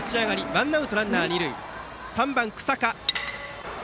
ワンアウトランナー、二塁で３番、日下。